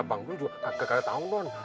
bang tuh juga kagak ada tanggung doang